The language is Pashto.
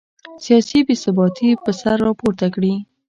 سیاسي بې ثباتي به سر راپورته کړي.